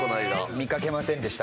見かけませんでした？